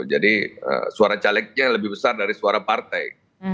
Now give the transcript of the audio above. jadi suara calegnya lebih besar dari suara partai